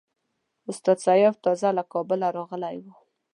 استاد سیاف تازه له کابله راغلی وو.